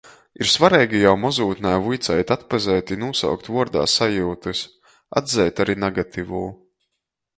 Ir svareigi jau mozūtnē vuiceit atpazeit i nūsaukt vuordā sajiutys, atzeit ari nagativū.